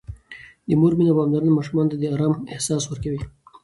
د مور مینه او پاملرنه ماشومانو ته د آرام احساس ورکوي.